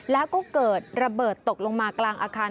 แล้วก็เกิดระเบิดตกลงมากลางอาคาร